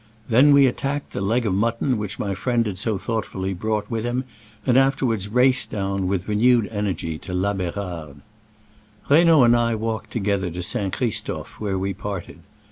Then we at tacked the leg of mutton which my friend had so thoughtfully brought with him, and afterward raced down, with renewed energy, to La Berarde. Reynaud and I walked together to St. Christophe, where we parted.